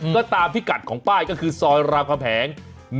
ก็ตามพิกัดของป้ายก็คือซอยรามคำแหง